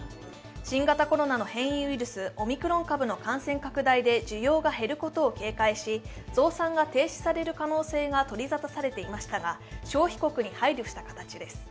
新型コロナの変異ウイルス、オミクロン株の感染拡大で需要が減ることを警戒し、増産が取り沙汰されていましたが、消費国に配慮した形です。